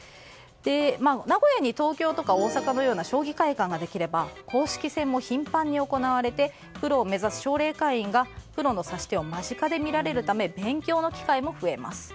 名古屋に東京とか大阪のような将棋会館ができれば公式戦も頻繁に行われてプロを目指す奨励会員がプロの指し手を間近で見られるため勉強の機会も増えます。